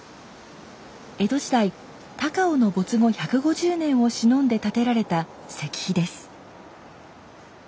江戸時代高尾の没後１５０年をしのんで建てられた石碑です。